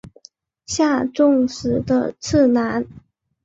下重实的次男。